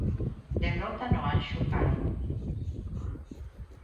Derrota no Anxo Carro.